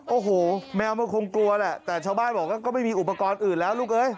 โอ้โหแมวมันคงกลัวแหละแต่ชาวบ้านบอกว่าก็ไม่มีอุปกรณ์อื่นแล้วลูกเอ้ย